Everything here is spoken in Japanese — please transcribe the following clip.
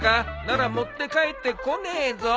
なら持って帰ってこねえぞ。